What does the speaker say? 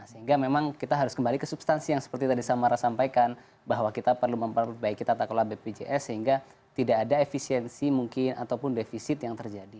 sehingga memang kita harus kembali ke substansi yang seperti tadi samara sampaikan bahwa kita perlu memperbaiki tata kelola bpjs sehingga tidak ada efisiensi mungkin ataupun defisit yang terjadi